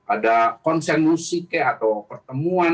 ada konsen musik atau pertemuan